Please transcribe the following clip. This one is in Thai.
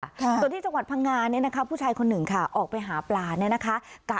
ส่วนที่จังหวัดพังงาเนี่ยนะคะผู้ชายคนหนึ่งค่ะออกไปหาปลาเนี่ยนะคะ